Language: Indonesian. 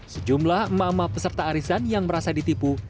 sejumlah emak emak peserta arisan yang merasa ditipu